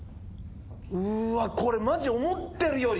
うーわこれマジ思ってるより。